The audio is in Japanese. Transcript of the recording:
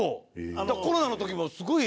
だからコロナの時もすごい。